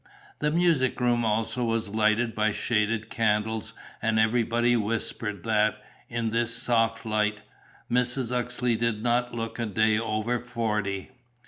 The music room also was lighted by shaded candles; and everybody whispered that, in this soft light, Mrs. Uxeley did not look a day over forty.